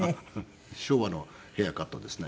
昭和のヘアカットですね。